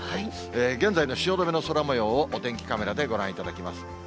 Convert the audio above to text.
現在の汐留の空もようを、お天気カメラでご覧いただきます。